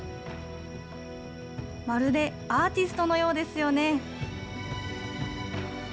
まるでアーティストのようですよね。